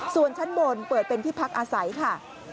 ส่วนชั้นบนเปิดเป็นที่พักอาศัยค่ะ